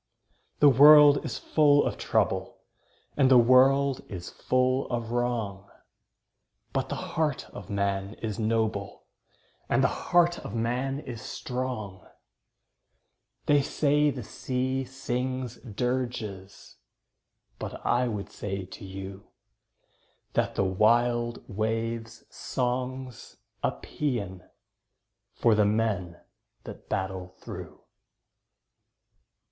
The world is full of trouble, And the world is full of wrong, But the heart of man is noble, And the heart of man is strong! They say the sea sings dirges, But I would say to you That the wild wave's song's a paean For the men that battle through.